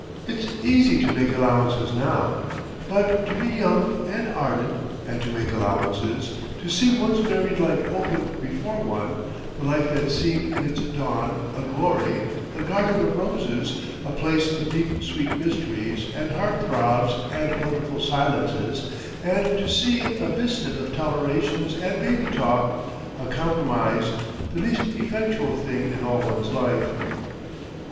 It's easy to make allowances now; but to be young and ardent and to make allowances, to see one's married life open before one, the life that seemed in its dawn a glory, a garden of roses, a place of deep sweet mysteries and heart throbs and wonderful silences, and to see it a vista of tolerations and baby talk; a compromise, the least effectual thing in all one's life.